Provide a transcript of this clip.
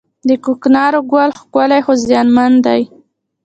د کوکنارو ګل ښکلی خو زیانمن دی